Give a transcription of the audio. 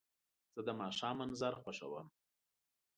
زه د ماښام منظر خوښوم.